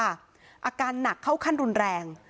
อาการหนักเข้าขั้นรุนแรง